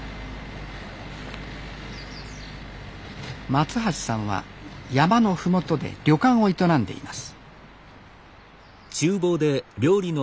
松橋さんは山の麓で旅館を営んでいます